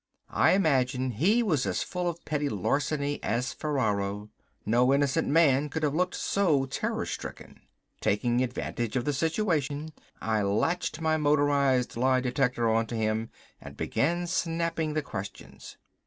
I imagine he was as full of petty larceny as Ferraro. No innocent man could have looked so terror stricken. Taking advantage of the situation, I latched my motorized lie detector onto him and began snapping the questions.